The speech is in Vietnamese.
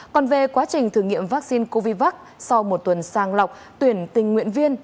còn về quá trình thử nghiệm vaccine covid một mươi chín sau một tuần sang lọc tuyển tình nguyện viên